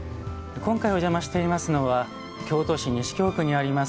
今回、お邪魔していますのは京都市西京区にあります